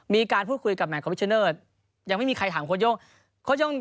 มีการพูดคุยกับแมทคอมพิชเนอร์ยังไม่มีใครถามโค้ชโย่ง